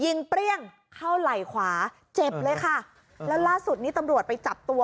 เปรี้ยงเข้าไหล่ขวาเจ็บเลยค่ะแล้วล่าสุดนี้ตำรวจไปจับตัว